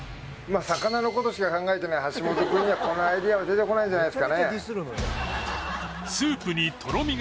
まあ魚のことしか考えてない橋本くんにはこのアイデアは出てこないんじゃないですかね